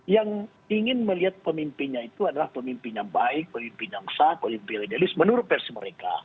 yang ingin melihat pemimpinnya itu adalah pemimpin yang baik pemimpin yang sah pemimpin ledalis menurut versi mereka